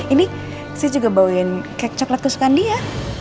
ini saya juga bawain kek coklat kesukaan dia